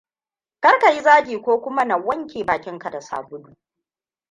Kar ka yi zagi ko kuma na wanke bakinka da sabulu.